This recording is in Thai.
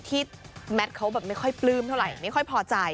แมทเขาแบบไม่ค่อยปลื้มเท่าไหร่ไม่ค่อยพอใจ